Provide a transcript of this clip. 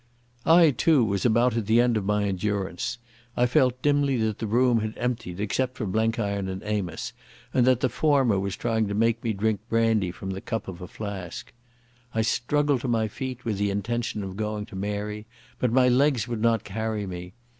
I, too, was about at the end of my endurance. I felt dimly that the room had emptied except for Blenkiron and Amos, and that the former was trying to make me drink brandy from the cup of a flask. I struggled to my feet with the intention of going to Mary, but my legs would not carry me....